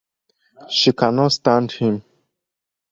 She cannot stand him.